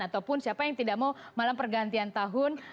ataupun siapa yang tidak mau malam pergantian tahun